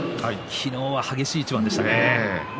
昨日は激しい一番でした。